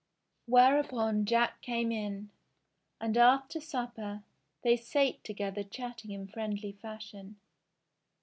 Whereupon Jack came in, and after supper they sate together chatting in friendly fashion.